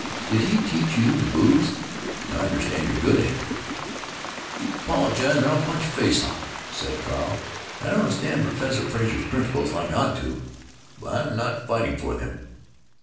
Did he teach you to booze? I understand you're good at it." "You apologize or I'll punch your face off," said Carl. "I don't understand Professor Frazer's principles like I ought to. I'm not fighting for them.